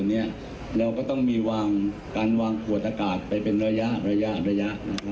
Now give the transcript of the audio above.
เราก็ต้องมีการวางขวดอากาศไปเป็นระยะ